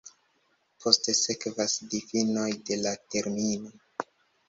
Poste sekvas difinoj de la termino.